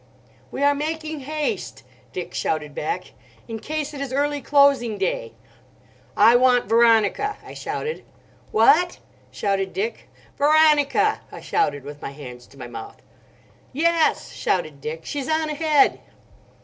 "We are making haste," Dick shouted back, "in case it is early closing day." "I want Veronica!" I shouted. "What?" shouted Dick. "Veronica!" I shouted with my hands to my mouth. "Yes!" shouted Dick. "She's on ahead."